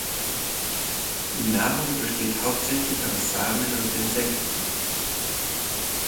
Die Nahrung besteht hauptsächlich aus Samen und Insekten.